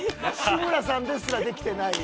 志村さんですらできてない。